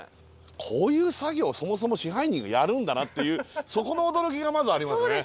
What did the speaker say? こういう作業をそもそも支配人がやるんだなっていうそこの驚きがまずありますね。